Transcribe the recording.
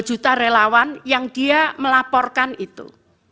dua juta relawan yang dia melaporkan itu